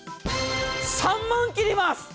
３万切ります。